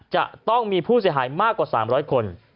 จะต้องมีผู้เสียหายมากกว่า๓๐๐คน